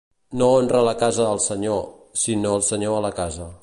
No honra la casa al senyor, sinó el senyor a la casa.